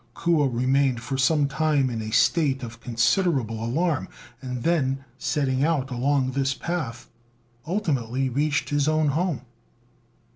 Kuo remained for some time in a state of considerable alarm, and then, setting out along this path, ultimately reached his own home.